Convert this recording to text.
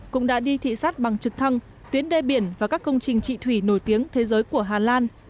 cũng đã đi thị xác bằng trực thăng tuyến đê biển và các công trình trị thủy nổi tiếng thế giới của hà lan